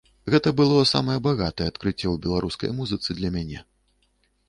Гэта было самае багатае адкрыццё ў беларускай музыцы для мяне.